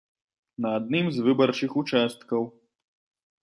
На адным з выбарчых участкаў.